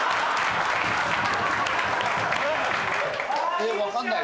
えっ分かんない。